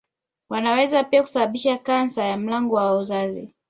Wanaweza pia kusababisha kansa ya mlango wa uzazi